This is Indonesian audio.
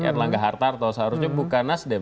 r langga hartarto seharusnya bukan nasdem